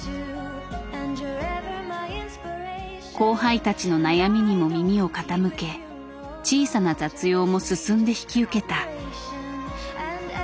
後輩たちの悩みにも耳を傾け小さな雑用も進んで引き受けた。